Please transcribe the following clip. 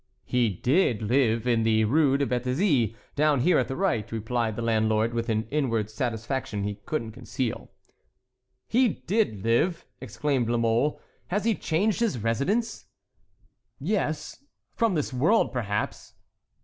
"He did live in the Rue de Béthizy down here at the right," replied the landlord, with an inward satisfaction he could not conceal. "He did live?" exclaimed La Mole. "Has he changed his residence?" "Yes—from this world, perhaps."